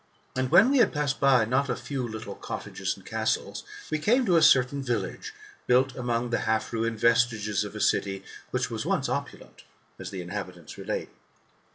And when we had passed by not a few little cottages and castles, we came to a certain village, built among the half ruined vestiges of a city which was once opulent, as the inhabitants relate.